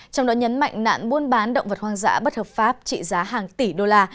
trong đó nhấn mạnh nạn buôn bán động vật hoang dã bất hợp pháp trị giá hàng tỷ đô la